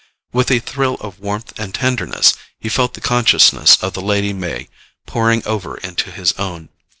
With a thrill of warmth and tenderness, he felt the consciousness of the Lady May pouring over into his own.